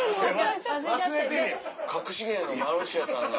『かくし芸』のマルシアさんが。